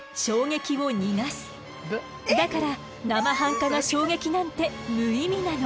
だからなまはんかな衝撃なんて無意味なの。